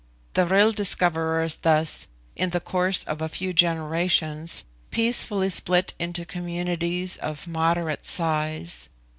The Vril discoverers thus, in the course of a few generations, peacefully split into communities of moderate size.